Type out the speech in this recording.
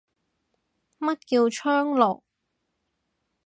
乜叫窗爐